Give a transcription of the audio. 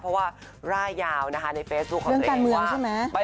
เพราะว่าร่ายยาวนะคะในเฟซบุ๊กของตัวเองว่า